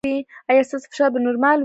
ایا ستاسو فشار به نورمال وي؟